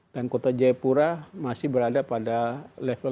dan kota jayapura masih berada pada level tiga